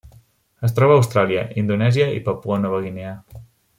Es troba a Austràlia, Indonèsia i Papua Nova Guinea.